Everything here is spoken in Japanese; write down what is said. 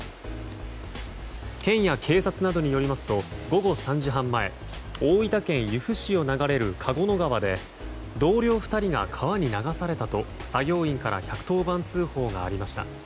県や警察などによりますと午後３時半前大分県由布市を流れる花合野川で同僚２人が川に流されたと作業員から１１０番通報がありました。